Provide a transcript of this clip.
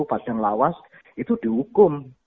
padang lawas itu dihukum